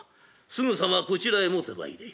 すぐさまこちらへ持てまいれ。